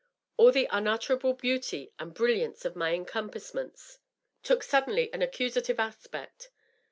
All the unutterable beauty and brilliancy of my encompassments took suddenly an accusative aspect.